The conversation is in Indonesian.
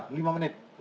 ya sebentar lima menit